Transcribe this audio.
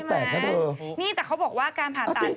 แหมนี่แต่เขาบอกว่าการผ่าตัด